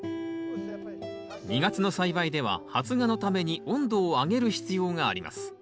２月の栽培では発芽のために温度を上げる必要があります。